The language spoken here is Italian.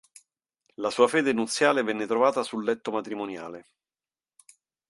La sua fede nuziale venne trovata sul letto matrimoniale.